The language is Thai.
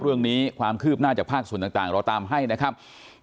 เรื่องนี้ความคืบหน้าจากภาคส่วนต่างเราตามให้นะครับ